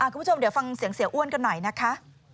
คุณผู้ชมเดี๋ยวฟังเสียงเสียอ้วนกันหน่อยนะคะ